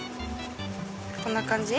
こんな感じ？